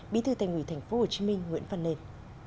bí thư thành ủy thành phố hồ chí minh nguyễn văn nền